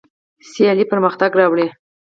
سیالي پرمختګ راولي.